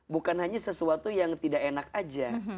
bukan hanya sesuatu yang tidak enak aja